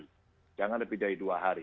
dan saya minta jangan lebih dari dua hari